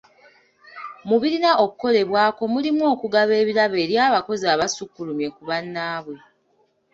Mu birina okukolebwako mulimu okugaba ebirabo eri abakozi abasukkulumye ku bannaabwe.